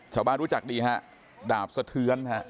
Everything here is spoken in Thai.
ชาวบ้านรู้จักดีฮะดาบเสือญฮะ